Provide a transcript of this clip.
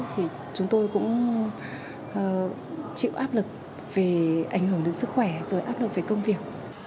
thì chúng tôi cũng chịu áp lực về ảnh hưởng đến sức khỏe rồi áp lực về công việc